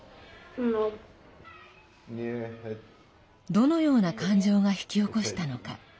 どのような感情が引き起こしたのか。